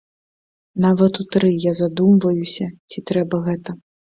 Нават у тры я задумваюся, ці трэба гэта.